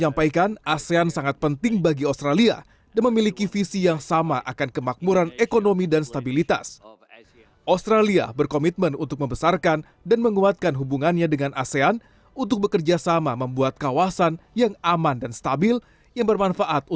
yang saling menguntungkan dengan australia